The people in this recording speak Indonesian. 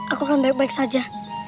aku akan baik baik saja